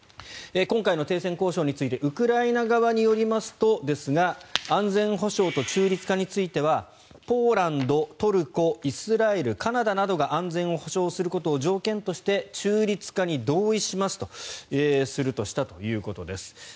今回の停戦交渉についてウクライナ側によりますとですが安全保障と中立化についてはポーランド、トルコ、イスラエルカナダなどが安全を保証することを条件として中立化に同意しますとするとしたということです。